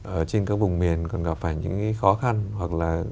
ở trên các vùng miền còn gặp phải những khó khăn hoặc là